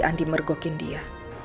andi mergokin dia